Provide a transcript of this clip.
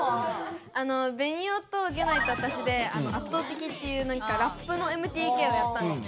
あのベニオとギュナイとわたしで「圧倒的」っていうラップのＭＴＫをやったんですね。